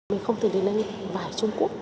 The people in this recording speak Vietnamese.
mình không thể đi lên vải trung quốc